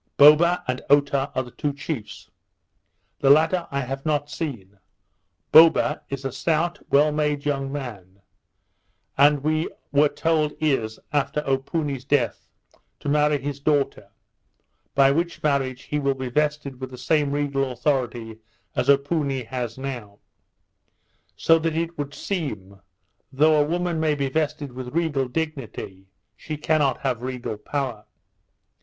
Boba and Ota are the two chiefs; the latter I have not seen; Boba is a stout, well made young man; and we were told is, after Opoony's death, to marry his daughter, by which marriage he will be vested with the same regal authority as Opoony has now; so that it should seem, though a woman may be vested with regal dignity, she cannot have regal power.